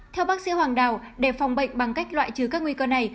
theo bác sĩ hoàng đào để phòng bệnh bằng cách loại trừ các nguy cơ này